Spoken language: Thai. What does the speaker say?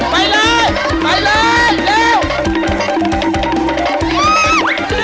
ไปเลยไปเลยเร็ว